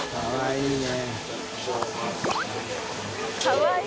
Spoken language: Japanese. かわいい。